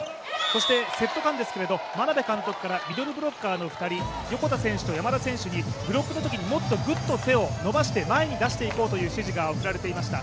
そしてセット間ですけれども、眞鍋監督からミドルブロッカーの２人、横田選手と山田選手にブロックのときに、もっとぐっと手を伸ばして、前に出していこうと指示が送られていました。